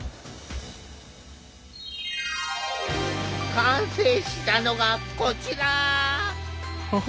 完成したのがこちら！